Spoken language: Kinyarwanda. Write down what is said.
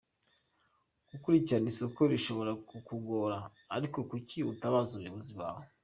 Gukurikirana isoko bishobora kukugora ariko kuki utabaza umuyobozi wawe?”.